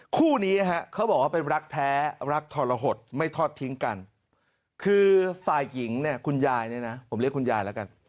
คู่นี้เขาบอกว่าเป็นรักแท้รักทรหดไม่ทอดทิ้งกันคือฝ่ายหญิงเนี่ยคุณยายเนี่ยนะผมเรียกคุณยายแล้วกัน